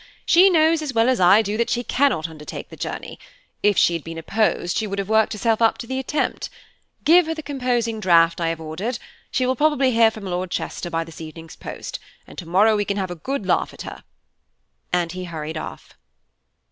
She knows as well as I do that she cannot undertake the journey; if she had been opposed, she would have worked herself up to the attempt. Give her the composing draught I have ordered; she will probably hear from from Lord Chester by this evening's post, and to morrow we can have a good laugh at her"; and he hurried off.